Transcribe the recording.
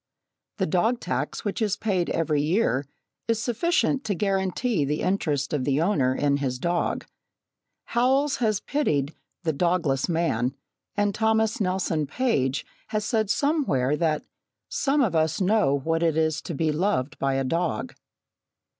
The dog tax which is paid every year is sufficient to guarantee the interest of the owner in his dog. Howells has pitied "the dogless man," and Thomas Nelson Page has said somewhere that "some of us know what it is to be loved by a dog."